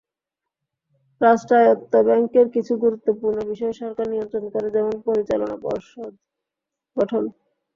রাষ্ট্রায়ত্ত ব্যাংকের কিছু গুরুত্বপূর্ণ বিষয় সরকার নিয়ন্ত্রণ করে, যেমন পরিচালনা পর্ষদ গঠন।